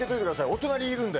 お隣いるんで。